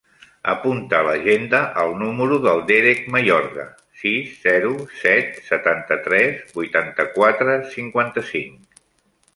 Apunta a l'agenda el número del Derek Mayorga: sis, zero, set, setanta-tres, vuitanta-quatre, cinquanta-cinc.